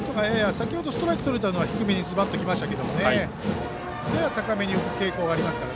先程、ストライクとれたのは低めにズバッときましたけどもやや高めに浮く傾向がありますからね。